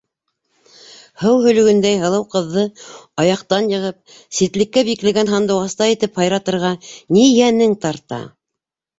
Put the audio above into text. Һыу һөлөгөндәй һылыу ҡыҙҙы аяҡтан йығып, ситлеккә бикләгән һандуғастай итеп һарғайтырға ни йәнең тарта?